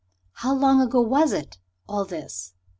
"How long ago was it, all this?"